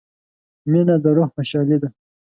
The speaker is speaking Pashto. • مینه د روح خوشحالي ده.